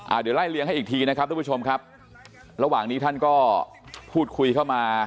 เดี๋ยวไล่เลี้ยให้อีกทีนะครับทุกผู้ชมครับระหว่างนี้ท่านก็พูดคุยเข้ามา